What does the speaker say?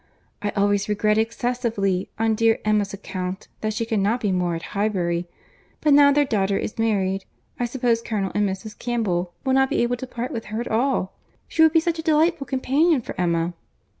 I always regret excessively on dear Emma's account that she cannot be more at Highbury; but now their daughter is married, I suppose Colonel and Mrs. Campbell will not be able to part with her at all. She would be such a delightful companion for Emma."